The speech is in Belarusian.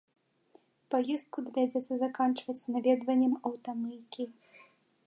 Паездку давядзецца заканчваць наведваннем аўтамыйкі.